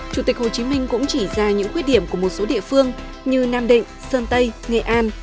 chủ tịch hồ chí minh cũng chỉ ra những khuyết điểm của một số địa phương như nam định sơn tây nghệ an